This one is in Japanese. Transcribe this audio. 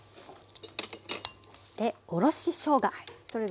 そしておろししょうが。